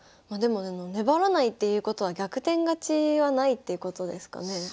でも粘らないっていうことは逆転勝ちはないっていうことですかね？